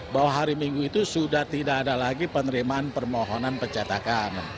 bahwa hari minggu itu sudah tidak ada lagi penerimaan permohonan pencetakan